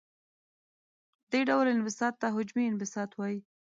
دې ډول انبساط ته حجمي انبساط وايي.